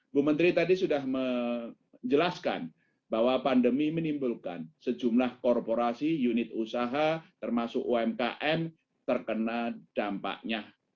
bu menteri tadi sudah menjelaskan bahwa pandemi menimbulkan sejumlah korporasi unit usaha termasuk umkm terkena dampaknya